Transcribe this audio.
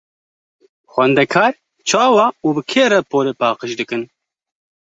Xwendekar çawa û bi kê re polê paqij dikin?